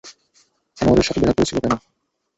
আনোয়ারের সাথে দেখা করেছিল কেন?